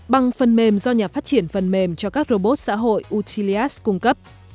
bằng phần mềm do nhà phát triển phần mềm cho các robot xã hội utilias cung cấp